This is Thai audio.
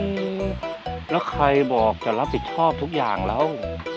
แล้วใครบอกจะรับผิดชอบทุกอย่างแล้ว